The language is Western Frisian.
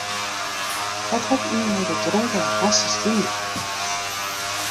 Dat hat ien mei de dronkene harsens dien.